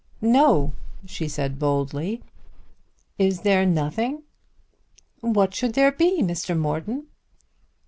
"No," she said boldly. "Is there nothing?" "What should there be, Mr. Morton!"